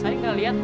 wah gak liat ibu